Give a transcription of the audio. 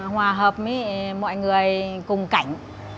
hòa hợp với mọi người cùng cảnh